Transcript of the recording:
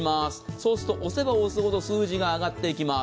そうすると押せば押すほど数字が上がっていきます。